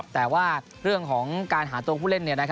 แต่ว่าเรื่องของการหาตัวผู้เล่น